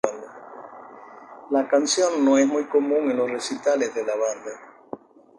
La canción no es muy común en los recitales de la banda.